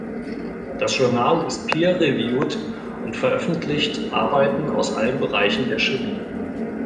Das Journal ist peer-reviewed und veröffentlicht Arbeiten aus allen Bereichen der Chemie.